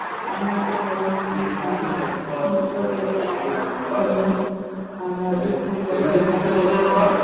আমার তো বরং মনে হয়, লোকের এখনই আমার ওপর ঘেন্না ধরে গেছে।